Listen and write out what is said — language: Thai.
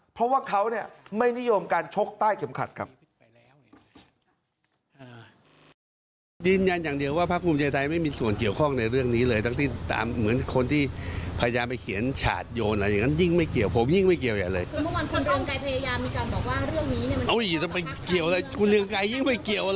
เพราะว่าเขาไม่นิยมการชกใต้เข็มขัดครับ